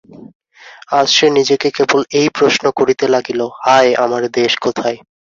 আজ সে নিজেকে কেবল এই প্রশ্ন করিতে লাগিল–হায়, আমার দেশ কোথায়!